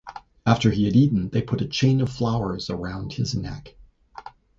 After he had eaten, they put a chain of flowers around his neck.